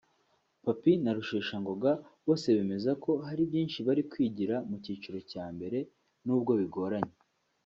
Papy na Rusheshangoga bose bemezako hari byishi bari kwigira mu cyiciro cya mbere n’ubwo bigoranye